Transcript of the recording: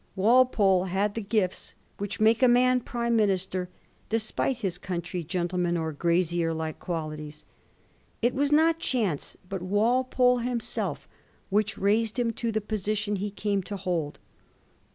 Walpole had the gifts which make a man prime minister, despite his coimtry gentleman or grazier like qualities. It was not chance but Walpole himself which raised him to the position he came to hold.